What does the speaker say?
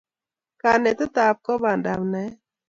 Kanetet ab ko pandab naet